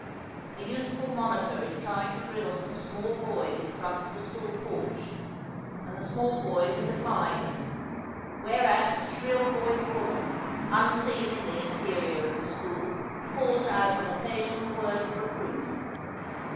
A youth ful monitor is trying to drill some small boys in front of the school porch, and the small boys are defying him ; whereat a shrill voiced woman, unseen in the interior of the school, calls out an occasional word of reproof.